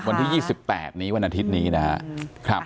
วันที่๒๘นี้วันอาทิตย์นี้นะครับ